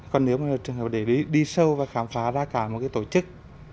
còn nếu mà trường hợp để đi sâu và khám phá ra cả một cái tổ chức